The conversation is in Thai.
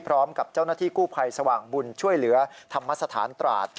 พร้อมกับเจ้าหน้าที่กู้ภัยสว่างบุญช่วยเหลือธรรมสถานตราด